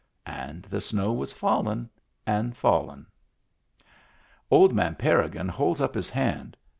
And the snow was fallin' and fallin'. Old man Parrigin holds up his hand.